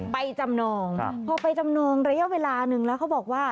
จำนองพอไปจำนองระยะเวลาหนึ่งแล้วเขาบอกว่า